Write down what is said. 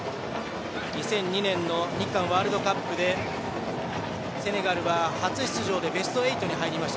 ２００２年の日韓ワールドカップでセネガルは初出場でベスト８に入りました。